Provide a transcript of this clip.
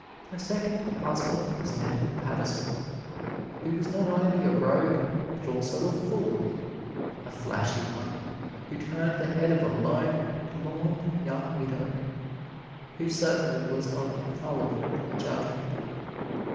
Her second husband was Daniel Patterson, who was not only a rogue but also a fool a flashy one, who turned the head of a lone, lorn young widow, who certainly was not infallible in judgment.